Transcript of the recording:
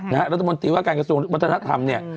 นี่ฮะลัฐมนตรีว่าการกระทรวจม้นรัฐรัฐธรรมเนี่ย